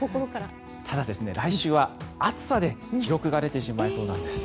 ただ、来週は暑さで記録が出てしまいそうなんです。